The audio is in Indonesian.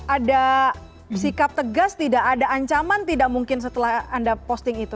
ada sikap tegas tidak ada ancaman tidak mungkin setelah anda posting itu